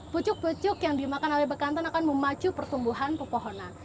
pucuk pucuk yang dimakan oleh bekantan akan memacu pertumbuhan pepohonan